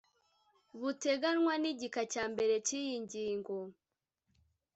buteganywa n igika cya mbere cy iyi ngingo